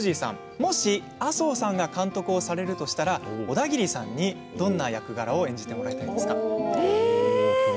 もし、麻生さんが監督をされるとしたらオダギリさんに、どんな役柄を演じてもらいたいですか？